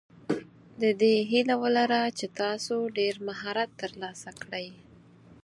د دې هیله ولره چې تاسو ډېر مهارت ترلاسه کړئ.